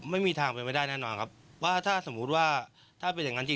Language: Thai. ไม่มีทางเป็นไม่ได้แน่นอนครับว่าถ้าสมมุติว่าถ้าเป็นอย่างนั้นจริง